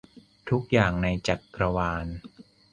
ทุกอย่างในจักรวาล